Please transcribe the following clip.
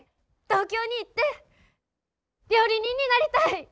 東京に行って料理人になりたい。